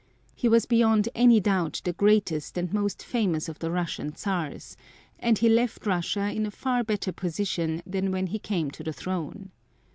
He was beyond any doubt the greatest and most famous of the Russian Czars, and he left Russia in a far better position than when he came to the throne.